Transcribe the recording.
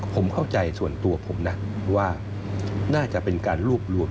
ผมเข้าใจส่วนตัวผมนะว่าน่าจะเป็นการรวบรวม